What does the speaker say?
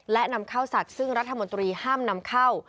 และนำเข้าสัตว์ซึ่งรัฐมนตรีห้ามนำเข้า